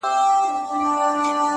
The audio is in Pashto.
ګلان راوړه سپرلیه له مودو مودو راهیسي.